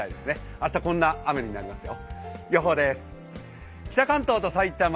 明日こんな雨になりますよ。